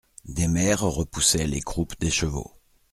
Des mères repoussaient les croupes des chevaux.